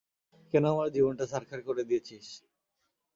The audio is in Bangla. কেন আমার জীবনটা ছারখার করে দিয়েছিস?